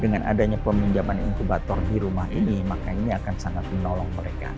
dengan adanya peminjaman inkubator di rumah ini maka ini akan sangat menolong mereka